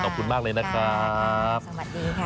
ขอบคุณมากเลยนะครับสวัสดีค่ะ